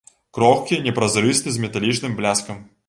Крохкі, непразрысты, з металічным бляскам.